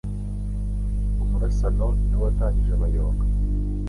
Umurasano ni wo watanyije Abayonga,